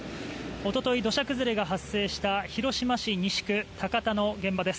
一昨日、土砂崩れが発生した広島市西区の現場です。